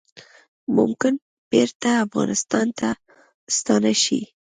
ممکن بیرته افغانستان ته ستانه شي